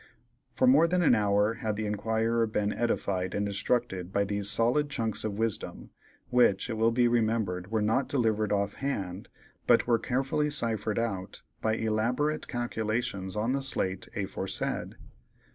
For more than an hour had the Inquirer been edified and instructed by these "solid chunks of wisdom," which, it will be remembered, were not delivered off hand, but were carefully ciphered out by elaborate calculations on the slate aforesaid.